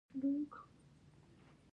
د افغانستان ابادي د ټولو دنده ده